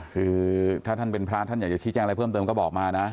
คือถ้าท่านเป็นพระท่านอยากจะชี้แจ้งอะไรเพิ่มเติมก็บอกมานะ